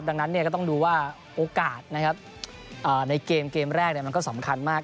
ดังนั้นก็ต้องดูว่าโอกาสนะครับในเกมเกมแรกมันก็สำคัญมาก